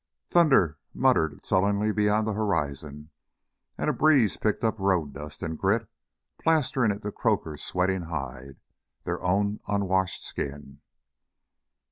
Thunder muttered sullenly beyond the horizon. And a breeze picked up road dust and grit, plastering it to Croaker's sweating hide, their own unwashed skin.